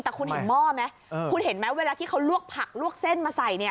แต่คุณเห็นหม้อไหมคุณเห็นไหมเวลาที่เขาลวกผักลวกเส้นมาใส่เนี่ย